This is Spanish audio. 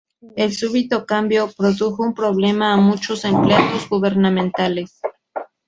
El súbito cambio produjo un problema a muchos empleados gubernamentales.